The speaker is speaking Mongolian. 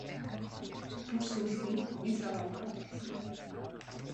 Бүр сүүлд нь хогийн саваа ухаад олсонгүй.